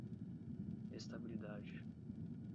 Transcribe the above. estabilidade